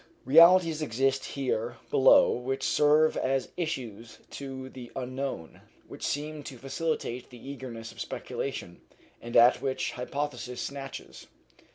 Realities exist here below which serve as issues to the unknown, which seem to facilitate the egress of speculation, and at which hypothesis snatches.